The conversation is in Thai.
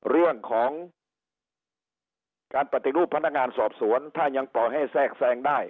เรื่องของการปฏิรูปพนักงานสอบสวนถ้ายังปล่อยให้แทรกแทรงได้